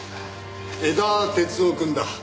江田哲男くんだ。